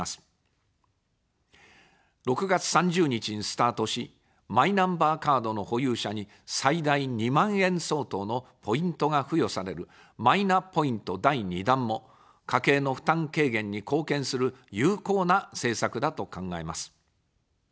６月３０日にスタートし、マイナンバーカードの保有者に最大２万円相当のポイントが付与される、マイナポイント第２弾も家計の負担軽減に貢献する有効な政策だと考えます。